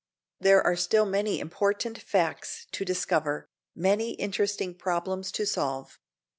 There are still many important facts to discover, many interesting problems to solve.